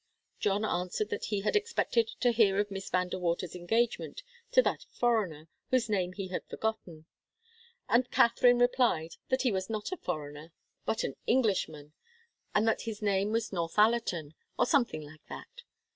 John answered that he had expected to hear of Miss Van De Water's engagement to that foreigner whose name he had forgotten, and Katharine replied that he was not a foreigner but an Englishman, and that his name was Northallerton, or something like that.